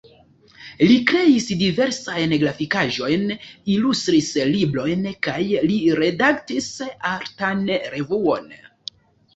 Li kreis diversajn grafikaĵojn, ilustris librojn kaj li redaktis artan revuon.